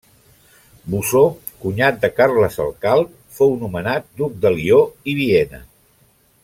Bosó, cunyat de Carles el Calb, fou nomenat duc de Lió i Viena.